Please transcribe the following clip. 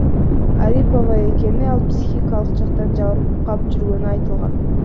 Арипова экени, ал психикалык жактан жабыркап жүргөнү айтылган.